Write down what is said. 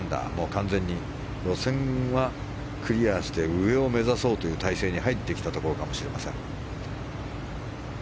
完全に予選はクリアして上を目指そうという態勢に入ってきたところかもしれません。